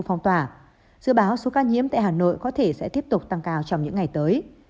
hà nội có thể sẽ tiếp tục tăng cao trong những ngày tới